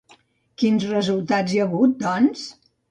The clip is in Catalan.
Quins resultats hi ha hagut, doncs?